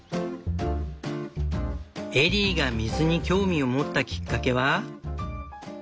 エリーが水に興味を持ったきっかけは。